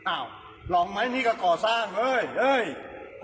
อ้าวลองไหมนี่กะก่อสร้างเฮ้ย